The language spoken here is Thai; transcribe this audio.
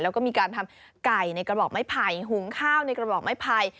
แล้วก็มีการทำไก่ในกระบอกไม้ไผ่หุงข้าวในกระบอกไม้ไผ่